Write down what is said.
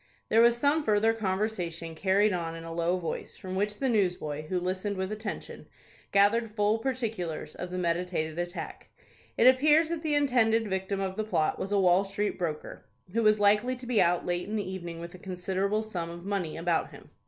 There was some further conversation carried on in a low voice, from which the newsboy, who listened with attention, gathered full particulars of the meditated attack. It appears that the intended victim of the plot was a Wall Street broker, who was likely to be out late in the evening with a considerable sum of money about him.